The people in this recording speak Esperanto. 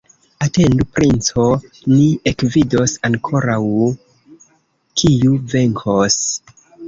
Atendu, princo, ni ekvidos ankoraŭ, kiu venkos!